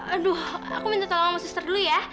aduh aku minta tolong sama sister dulu ya